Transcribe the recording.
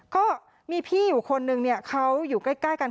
ก็มีพี่อยู่คนนึงเขาอยู่ใกล้กัน